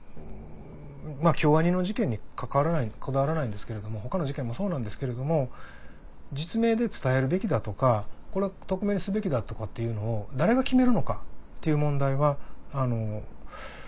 京アニの事件にこだわらないんですけれども他の事件もそうなんですけれども実名で伝えるべきだとかこれ匿名にすべきだとかっていうのを誰が決めるのかっていう問題は。